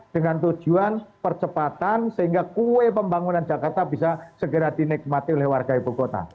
dengan tujuan percepatan sehingga kue pembangunan jakarta bisa segera dinikmati oleh warga ibu kota